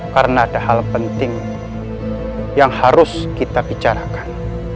karena ada hal penting yang harus kita bicarakan